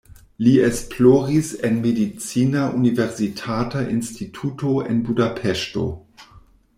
Li esploris en medicina universitata instituto en Budapeŝto.